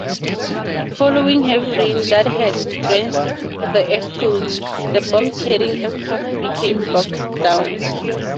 Following heavy rain that had drenched the airfield, the bomb-carrying aircraft became bogged down.